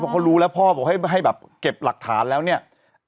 กุ๊กตั๊กเลย